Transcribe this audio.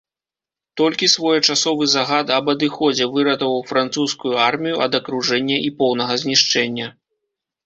Толькі своечасовы загад аб адыходзе выратаваў французскую армію ад акружэння і поўнага знішчэння.